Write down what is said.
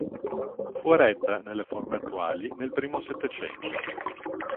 Fu eretta nelle forme attuali nel primo Settecento.